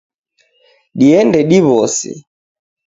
Diende diwose.